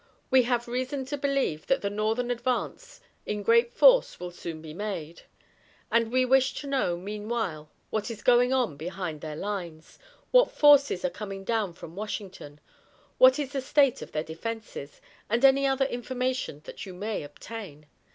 We have reason to believe that the Northern advance in great force will soon be made, but we wish to know, meanwhile, what is going on behind their lines, what forces are coming down from Washington, what is the state of their defenses, and any other information that you may obtain.